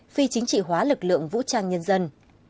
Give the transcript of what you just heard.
phi chính trị hóa lực lượng vũ trang nhân dân